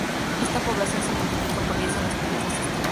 Esta población se multiplica por diez en los periodos estivales.